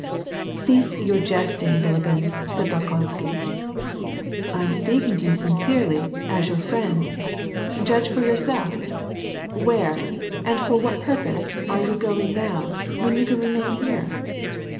'^ Cease your jesting, Bilibin," said Bolkonsky. " I am speaking to you sincerely, and as your friend. Judge for yourself. Where, and for what purpose, are you going now, when you can remain here